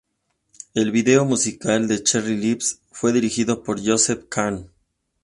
El video musical de "Cherry lips" fue dirigido por Joseph Kahn.